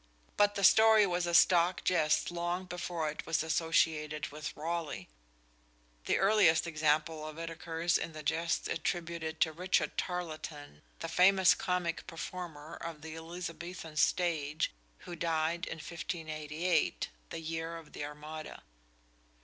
But the story was a stock jest long before it was associated with Raleigh. The earliest example of it occurs in the "Jests" attributed to Richard Tarleton, the famous comic performer of the Elizabethan stage, who died in 1588 the year of the Armada.